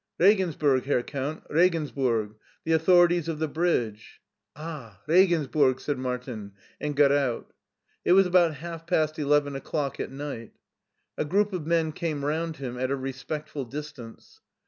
"Regensburg, Herr Count, Regensburg — ^the au thorities of the bridge." "Ah, Regensburg," said Martin, and got out. It was about half past eleven o'clock at night. A group of men came round him at a respectful dis tance.